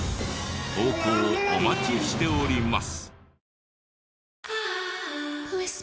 投稿お待ちしております。